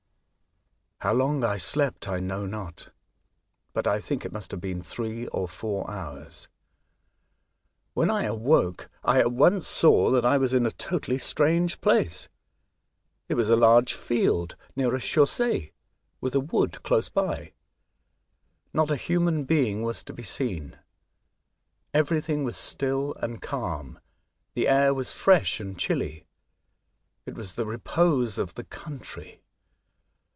How long I slept I know not; I think it must have been three or four hours. When I awoke I at once saw that I was in a totally strange place. It was a large field near a chaussee, with a wood close by. Not a human being was to be seen. Everything was still and calm, and the air was fresh and chilly. It was the repose of the country.